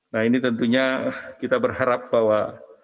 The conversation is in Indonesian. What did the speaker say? nah ini tentunya kita berharap bahwa